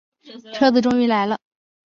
车子终于来了